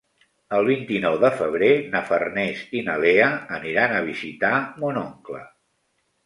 El vint-i-nou de febrer na Farners i na Lea aniran a visitar mon oncle.